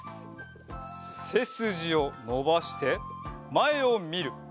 せすじをのばしてまえをみる。